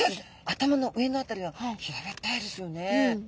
頭の上の辺りは平べったいですよね。